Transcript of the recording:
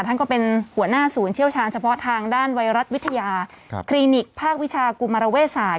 ท่านก็เป็นหัวหน้าศูนย์เชี่ยวชาญเฉพาะทางด้านไวรัสวิทยาคลินิกภาควิชากุมารเวศาสต